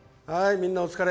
みんなお疲れ。